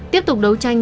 tiếp tục đấu tranh